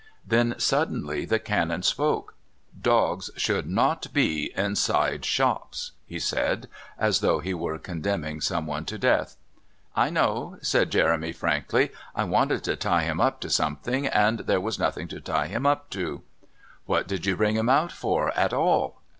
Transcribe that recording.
Then suddenly the Canon spoke. "Dogs should not be inside shops," He said, as though he were condemning someone to death. "I know," said Jeremy frankly. "I wanted to tie him up to something and there was nothing to tie him up to." "What did you bring him out for at all?"